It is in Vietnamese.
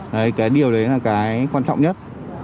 cái điều đấy là cái quan trọng nhất